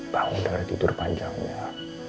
bangun dari tidur panjangnya